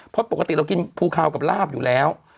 เพราะปกติเรากินภูคาวกับลาบอยู่แล้ว